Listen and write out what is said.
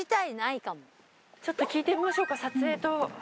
ちょっと聞いてみましょうか撮影と。